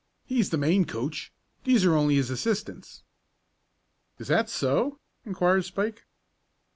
He's the main coach. These are only his assistants." "Is that so?" inquired Spike.